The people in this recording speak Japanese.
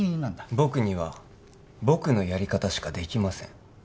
僕には僕のやり方しかできません